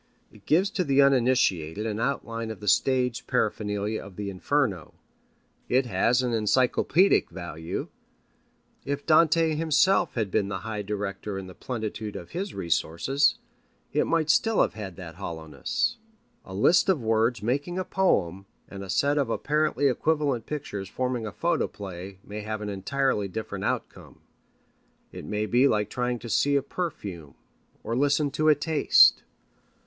It gives to the uninitiated an outline of the stage paraphernalia of the Inferno. It has an encyclopædic value. If Dante himself had been the high director in the plenitude of his resources, it might still have had that hollowness. A list of words making a poem and a set of apparently equivalent pictures forming a photoplay may have an entirely different outcome. It may be like trying to see a perfume or listen to a taste.